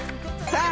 さあ！